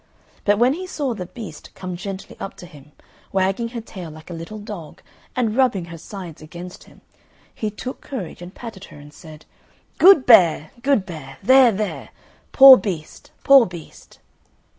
But when he saw the beast come gently up to him, wagging her tail like a little dog and rubbing her sides against him, he took courage, and patted her, and said, "Good bear, good bear! there, there! poor beast, poor beast!"